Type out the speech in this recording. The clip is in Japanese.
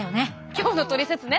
今日のトリセツね。